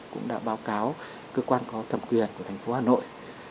cũng đã báo cáo cơ quan có thẩm quyền của thành phố hà nội